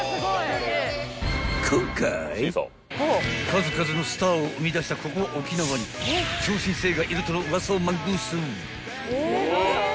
［数々のスターを生み出したここ沖縄に超新星がいるとのウワサをマングース］